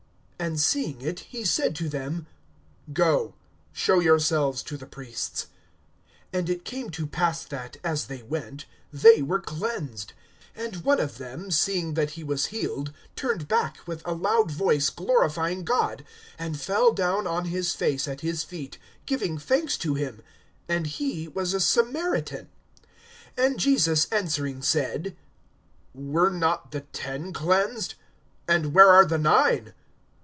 (14)And seeing it, he said to them: Go, show yourselves to the priests. And it came to pass that, as they went, they were cleansed. (15)And one of them, seeing that he was healed, turned back, with a loud voice glorifying God, (16)and fell down on his face at his feet, giving thanks to him; and he was a Samaritan. (17)And Jesus answering said: Were not the ten cleansed? And where are the nine?